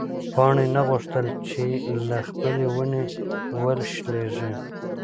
پاڼې نه غوښتل چې له خپلې ونې وشلېږي.